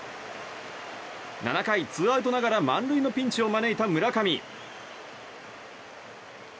７回、ツーアウトながら満塁のピンチを招いた村上。